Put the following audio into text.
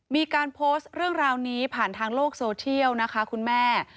มีการโพสต์เรื่องราวนี้ผ่านทางโลกโซเทียลนะคะคุณแม่